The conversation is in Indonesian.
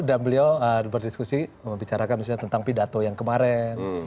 dan beliau berdiskusi membicarakan misalnya tentang pidato yang kemarin